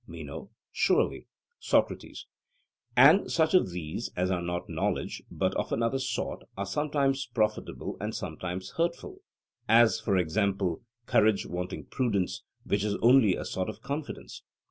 MENO: Surely. SOCRATES: And such of these as are not knowledge, but of another sort, are sometimes profitable and sometimes hurtful; as, for example, courage wanting prudence, which is only a sort of confidence?